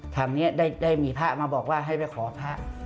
ทางนี้ได้มีพระมาบอกว่าให้ไปขอพระ